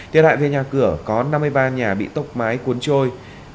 thiệt hại về nhà cửa có năm mươi ba nhà bị tốc mái cuốn trôi